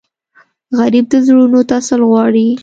غریب د زړونو تسل غواړي